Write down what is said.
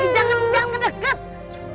jangan jangan deket